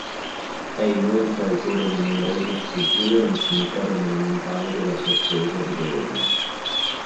È inoltre autore di numerose sculture nel cimitero monumentale della Certosa di Bologna.